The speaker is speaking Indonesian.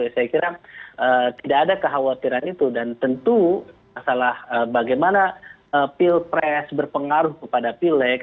saya kira tidak ada kekhawatiran itu dan tentu masalah bagaimana pilpres berpengaruh kepada pileg